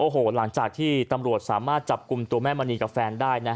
หลังจากที่ตำรวจสามารถจับกลุ่มตัวแม่มณีกับแฟนได้